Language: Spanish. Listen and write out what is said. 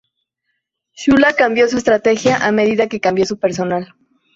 Shula cambió su estrategia a medida que cambió su personal.